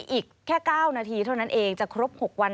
อีกแค่๙นาทีเท่านั้นเองจะครบ๖วัน